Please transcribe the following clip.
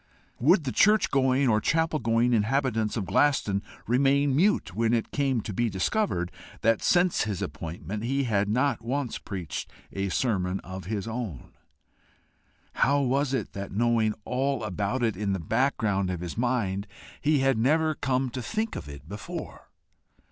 Would the church going or chapel going inhabitants of Glaston remain mute when it came to be discovered that since his appointment he had not once preached a sermon of his own? How was it that knowing all about it in the background of his mind, he had never come to think of it before?